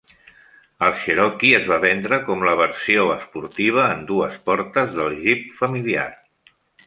El Cherokee es va vendre com la versió "esportiva" en dues portes del Jeep familiar.